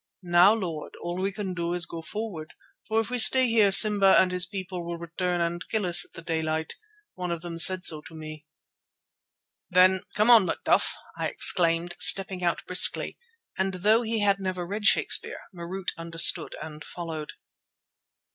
"Now, Lord, all we can do is to go forward, for if we stay here Simba and his people will return and kill us at the daylight. One of them said so to me." "Then, 'come on, Macduff,'" I exclaimed, stepping out briskly, and though he had never read Shakespeare, Marût understood and followed.